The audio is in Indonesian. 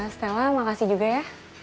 stella makasih juga ya